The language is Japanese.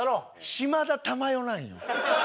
島田珠代なんよ。